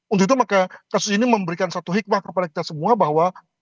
untuk itu maka kasus ini memberikan satu hikmah kepada kita semua bahwa